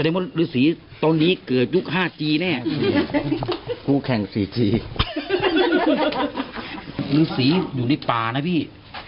แต่ไม่รู้สีตอนนี้เกิดยุคห้าจีนแน่ผู้แข่งสี่จีนหรือสีอยู่ในป่านะพี่